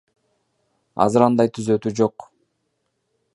Азыр андай түзөтүү жок.